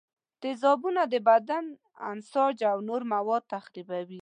تیزابونه د بدن انساج او نور مواد تخریبوي.